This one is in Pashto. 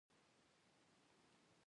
د بلوڅانو سیمې په سویل لویدیځ کې دي